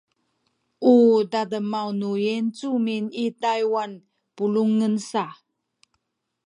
u tademaw nu Yincumin i Taywan pulungen sa